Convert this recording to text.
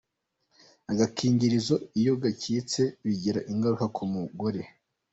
Agakingirizo iyo gacitse bigira ingaruka ku mugore .